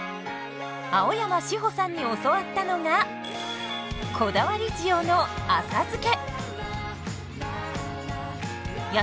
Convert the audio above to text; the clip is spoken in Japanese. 青山志穂さんに教わったのがこだわり塩の浅漬け。